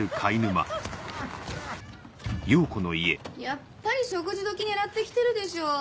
やっぱり食事どき狙って来てるでしょ。